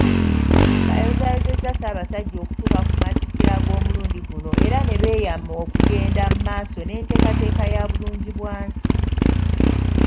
Bayozaayozezza Ssaabasajja okutuuka ku matikira ag'omulundi guno era ne beeyama okugenda maaso n'enteekateeka ya Bulungibwansi.